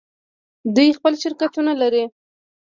دوی خپل شرکتونه لري.